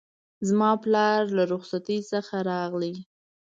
زما پلار له رخصتی څخه راغی